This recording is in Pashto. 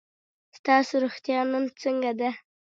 ستاسو روغتیا نن څنګه ده؟